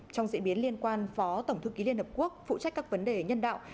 trong diễn biến liên quan phó tổng thư ký liên hợp quốc phụ trách các vấn đề nhân đạo